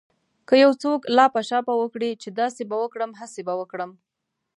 که يو څوک لاپه شاپه وکړي چې داسې به وکړم هسې به وکړم.